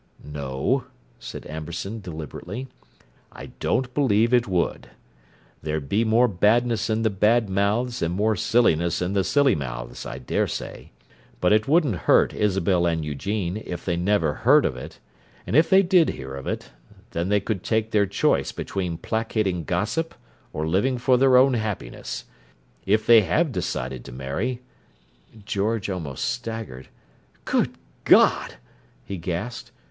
"No," said Amberson deliberately; "I don't believe it would. There'd be more badness in the bad mouths and more silliness in the silly mouths, I dare say. But it wouldn't hurt Isabel and Eugene, if they never heard of it; and if they did hear of it, then they could take their choice between placating gossip or living for their own happiness. If they have decided to marry—" George almost staggered. "Good God!" he gasped.